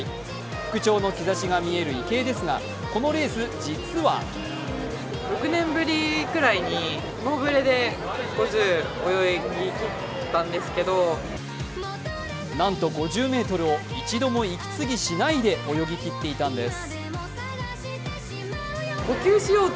復調の兆しが見える池江ですが、このレース実はなんと５０ｍを一度も息継ぎしないで泳ぎ切っていたんです。